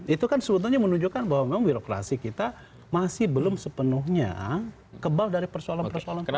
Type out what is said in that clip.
itu kan sebetulnya menunjukkan bahwa memang birokrasi kita masih belum sepenuhnya kebal dari persoalan persoalan